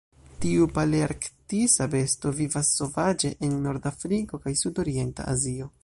Tiu palearktisa besto vivas sovaĝe en Nord-Afriko kaj sudorienta Azio.